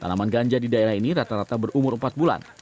tanaman ganja di daerah ini rata rata berumur empat bulan